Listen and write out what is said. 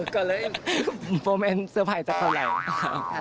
ก็เลยผมสิ่งสบายจากเท่าไร